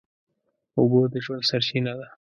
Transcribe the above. اوبه د ژوند سرچینه ده.